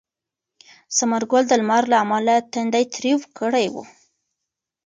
ثمر ګل د لمر له امله تندی تریو کړی و.